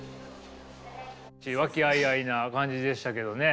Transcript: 和気あいあいな感じでしたけどね。